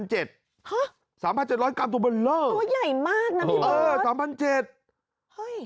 ฮะโอ้ยใหญ่มากนะพี่เบิร์ดโอ้ย๓๗๐๐